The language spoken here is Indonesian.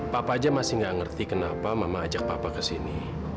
papa saja masih tidak mengerti kenapa mama ajak papa ke sini